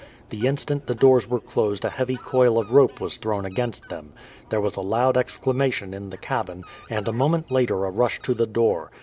The instant the doors were closed a heavy coil of rope was thrown against them. There was a loud exclamation in the cabin, and a moment later a rush to the door.